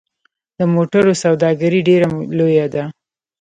د موټرو سوداګري ډیره لویه ده